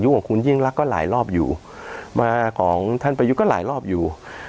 ของคุณยิ่งรักก็หลายรอบอยู่มาของท่านประยุทธ์ก็หลายรอบอยู่